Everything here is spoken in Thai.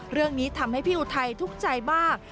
เรื่องนี้ทำให้พี่อุทัยทุกข์ใจมาก